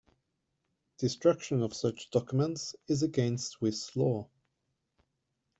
Destruction of such documents is against Swiss laws.